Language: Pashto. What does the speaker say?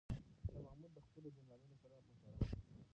شاه محمود د خپلو جنرالانو سره مشوره وکړه.